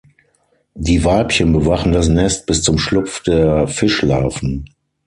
Die Weibchen bewachen das Nest bis zum Schlupf der Fischlarven.